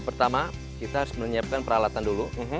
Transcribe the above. pertama kita harus menyiapkan peralatan dulu